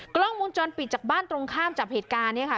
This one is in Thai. กล้องวงจรปิดจากบ้านตรงข้ามจับเหตุการณ์เนี่ยค่ะ